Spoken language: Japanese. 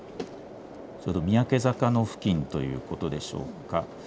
ちょうど三宅坂の付近ということでしょうか。